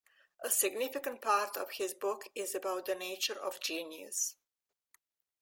A significant part of his book is about the nature of genius.